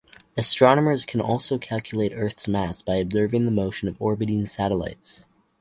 Astronomers can also calculate Earth's mass by observing the motion of orbiting satellites.